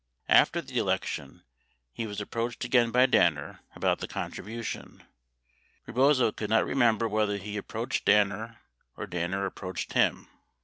After the election, he was approached again by Danner about the contribution. Rebozo could not remember whether he approached Danner or Danner ap proached him.